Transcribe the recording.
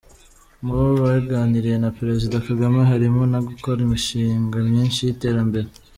Mu bo baganiriye na Perezida Kagame harimo no gukora imishinga myinshi y’iterambere.